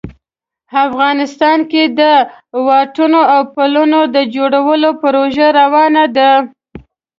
افغانستان کې د واټونو او پلونو د جوړولو پروژې روانې دي